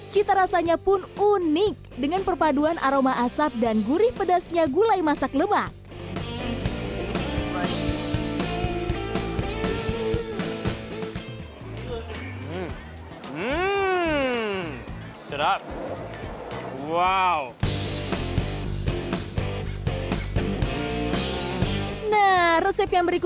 cita rasanya pun unik dengan perpaduan aroma asap dan gurih pedasnya gulai masak lemak